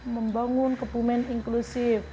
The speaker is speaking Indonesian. membangun kebumen inklusif